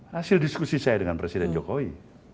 hasil diskusi saya dengan presiden jokowi